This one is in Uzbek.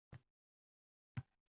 Soqov duduq edi